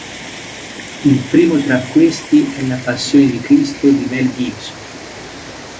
Il primo tra questi è "La Passione di Cristo" di Mel Gibson.